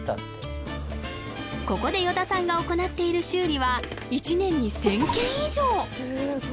ここで依田さんが行っている修理は１年に１０００件以上！